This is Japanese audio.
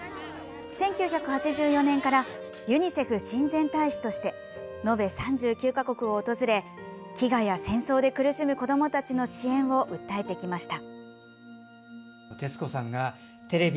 １９８４年からユニセフ親善大使として延べ３９か国を訪れ飢餓や戦争で苦しむ子どもたちの支援を訴えてきました。